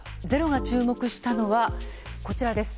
「ｚｅｒｏ」が注目したのはこちらです。